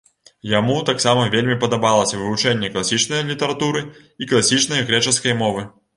Яму таксама вельмі падабалася вывучэнне класічнай літаратуры і класічнай грэчаскай мовы.